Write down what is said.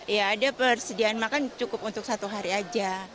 ya ada persediaan makan cukup untuk satu hari aja